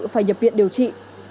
phải nhập viện điều trị